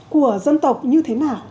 của dân tộc như thế nào